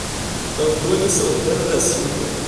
Antônio Santana da Silva